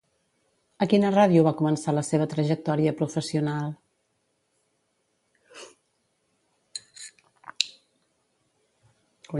A quina ràdio va començar la seva trajectòria professional?